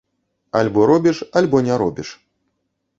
Альбо робіш, альбо не робіш.